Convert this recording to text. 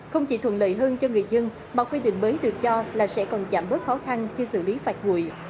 không chỉ thuận lợi hơn cho người dân mà quy định mới được cho là sẽ còn giảm bớt khó khăn khi xử lý phạt nguội